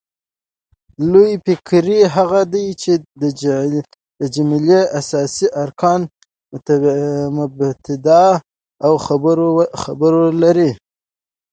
لویي فقرې هغه دي، چي د جملې اساسي ارکان مبتداء او خبر ولري.